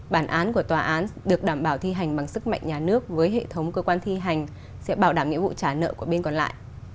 bản án của tòa án được đảm bảo thi hành bằng sức mạnh nhà nước với hệ thống cơ quan thi hành sẽ bảo đảm nghĩa vụ trả nợ của bên còn lại